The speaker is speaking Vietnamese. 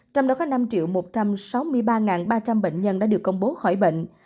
trong đó có năm một trăm sáu mươi ba ba trăm linh bệnh nhân đã được công bố khỏi bệnh